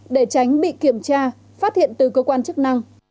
để tránh bị kiểm tra phát hiện từ cơ quan chức năng